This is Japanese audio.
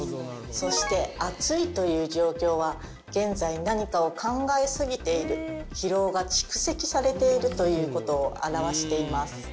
そして暑いという状況は現在何かを考え過ぎている疲労が蓄積されているという事を表しています。